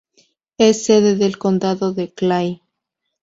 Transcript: Es sede del condado de Clay.